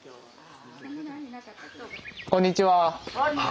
こんにちは。